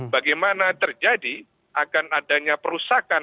bagaimana terjadi akan adanya perusakan bukti ya